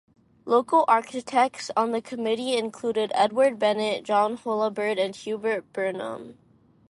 Local architects on the committee included Edward Bennett, John Holabird, and Hubert Burnham.